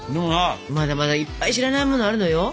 まだまだいっぱい知らないものあるのよ。